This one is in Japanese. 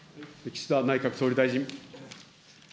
岸田内閣総理大臣。